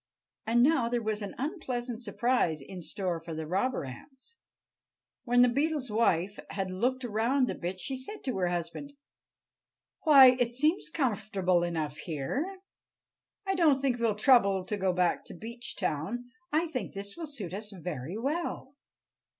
And now there was an unpleasant surprise in store for the robber ants. When the Beetle's wife had looked round a bit, she said to her husband: "Why, it seems comfortable enough here. I don't think we'll trouble to go back to Beechtown. I think this will suit us very well."